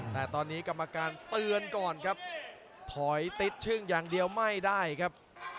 แต่ตอนนี้กรรมการเตือนก่อนครับถอยติดชึ่งอย่างเดียวไม่ได้ครับ